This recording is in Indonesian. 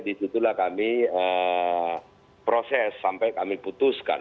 di itulah kami proses sampai kami putuskan